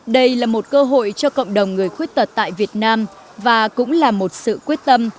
đây là một cơ hội cho cộng đồng người khuyết tật tại việt nam và cũng là một sự quyết tâm